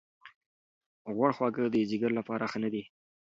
غوړ خواړه د ځیګر لپاره ښه نه دي.